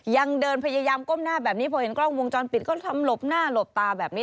ยังเดินพยายามก้มหน้าแบบนี้พอเห็นกล้องวงจรปิดก็ทำหลบหน้าหลบตาแบบนี้